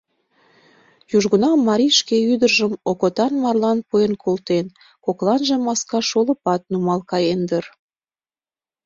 Южгунам марий шке ӱдыржым окотан марлан пуэн колтен, кокланже маска шолыпат нумал каен дыр.